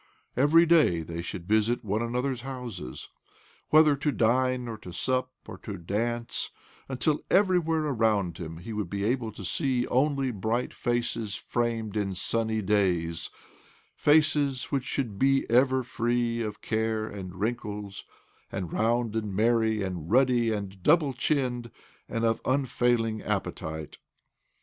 Every day they should visit one another's houses— OBLOMOV 63 whether to dine or to sup or to dance ; until everywhere around him he would be able to see only bright faces framed in sunny days— faces which should be ever free of care and wrinkles, and round, and merry, and ruddy, and double chinned, and of unfail ing appetite.